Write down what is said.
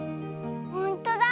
ほんとだ。